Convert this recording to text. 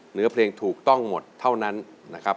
เนื้อเพลงถูกต้องหมดเท่านั้นนะครับ